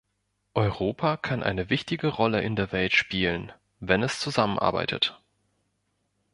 Europa kann eine wichtige Rolle in der Welt spielen, wenn es zusammenarbeitet.